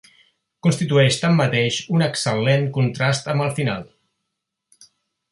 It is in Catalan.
Constitueix tanmateix un excel·lent contrast amb el final.